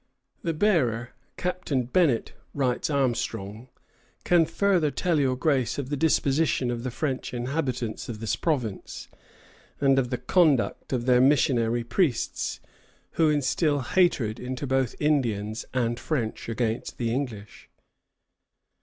"The bearer, Captain Bennett," writes Armstrong, "can further tell your Grace of the disposition of the French inhabitants of this province, and of the conduct of their missionary priests, who instil hatred into both Indians and French against the English."